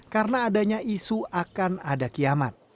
karena adanya isu akan ada kiamat